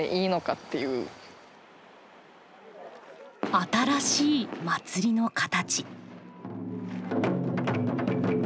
新しい祭りの形。